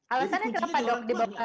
alasannya kenapa dok